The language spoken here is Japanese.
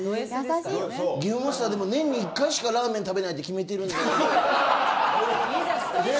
ゲームマスター、年に１回しかラーメン食べないって決めてる。